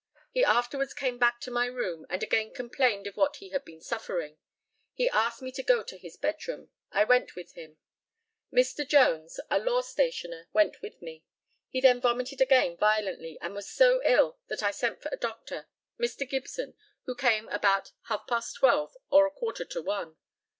He afterwards came back to my room, and again complained of what he had been suffering. He asked me to go to his bedroom. I went with him. Mr. Jones, a law stationer, went with me. He then vomited again violently, and was so ill that I sent for a doctor Mr. Gibson, who came about half past twelve or a quarter to one.